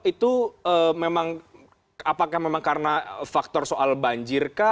itu memang apakah memang karena faktor soal banjir kah